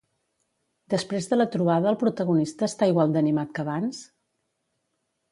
Després de la trobada el protagonista està igual d'animat que abans?